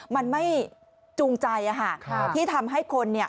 มันไม่จูงใจอ่ะฮะครับที่ทำให้คนเนี่ย